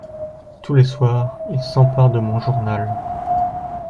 Tous les soirs, il s’empare de mon journal…